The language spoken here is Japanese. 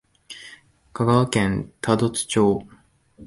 香川県多度津町